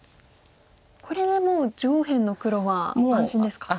これでもう上辺の黒は安心ですか。